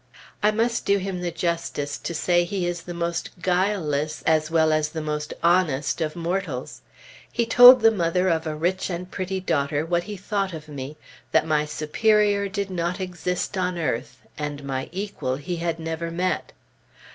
I must do him the justice to say he is the most guileless, as well as the most honest of mortals. He told the mother of a rich and pretty daughter what he thought of me; that my superior did not exist on earth, and my equal he had never met.